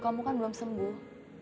kamu kan belum sembuh